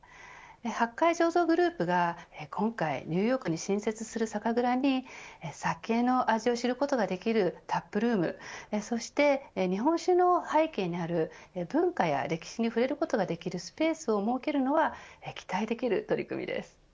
八海醸造グループが今回、ニューヨークに新設する酒蔵に酒の味を知ることができるタップルームそして、日本酒の背景にある文化や歴史に触れることができるスペースを設けるのは期待できる取り組みです。